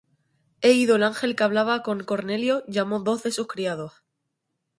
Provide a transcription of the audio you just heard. E ido el ángel que hablaba con Cornelio, llamó dos de sus criados,